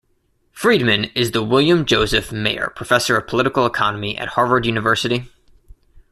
Friedman is the William Joseph Maier Professor of Political Economy at Harvard University.